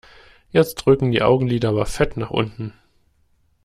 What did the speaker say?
Jetzt drücken die Augenlider aber fett nach unten.